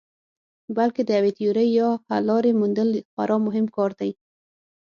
بلکې د یوې تیورۍ یا حللارې موندل خورا مهم کار دی.